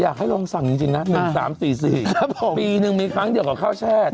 อยากให้ลองสั่งจริงนะ๑๓๔๔ปีหนึ่งมีครั้งเดียวกับข้าวแช่